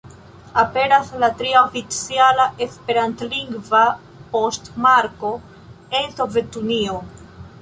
Aperas la tria oficiala esperantlingva poŝtmarko en Sovetunio.